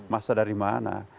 masa dari mana